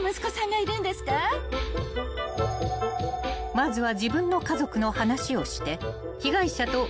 ［まずは］